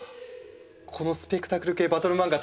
このスペクタクル系バトル漫画